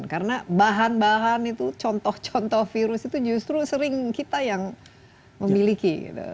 karena bahan bahan itu contoh contoh virus itu justru sering kita yang memiliki